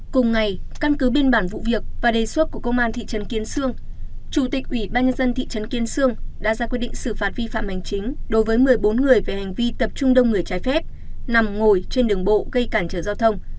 cùng ngày căn cứ biên bản vụ việc và đề xuất của công an thị trấn kiến sương chủ tịch ủy ban nhân dân thị trấn kiên sương đã ra quyết định xử phạt vi phạm hành chính đối với một mươi bốn người về hành vi tập trung đông người trái phép nằm ngồi trên đường bộ gây cản trở giao thông